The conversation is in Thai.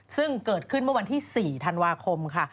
ซึ่งเกิดขึ้นเมื่อวันที่๔ธันวาคมค่ะ